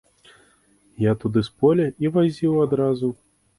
Я туды з поля і вазіў адразу.